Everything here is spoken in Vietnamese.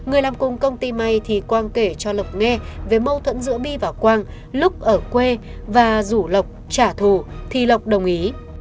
hôm nay thì quang kể cho lộc nghe về mâu thuẫn giữa bi và quang lúc ở quê và rủ lộc trả thù thì lộc đồng ý